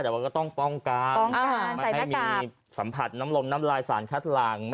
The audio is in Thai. แต่ว่าก็ต้องป้องกันไม่ให้มีสัมผัสน้ำลงน้ำลายสารคัดหลัง